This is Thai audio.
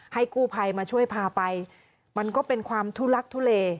กู้ภัยมาช่วยพาไปมันก็เป็นความทุลักทุเล